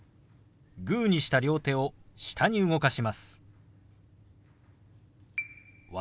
グーにした両手を下に動かします。